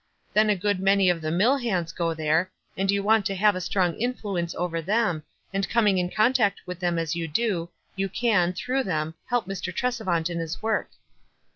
Then a good many of the mill hands go there, and you want to have a strong influence over them, and coming in contact with them as you do, you can, through them, help Mr. Tresevant in his work."